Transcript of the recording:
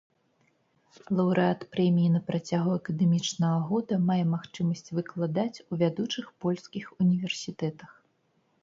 Лаўрэат прэміі на працягу акадэмічнага года мае магчымасць выкладаць у вядучых польскіх універсітэтах.